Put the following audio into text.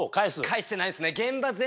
返してないですね。